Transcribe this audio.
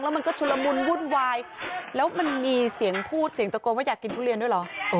มันก็ชุลมุนวุ่นวายแล้วมันมีเสียงพูดเสียงตะโกนว่าอยากกินทุเรียนด้วยเหรอ